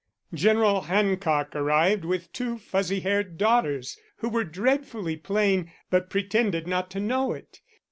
General Hancock arrived with two fuzzy haired daughters, who were dreadfully plain, but pretended not to know it.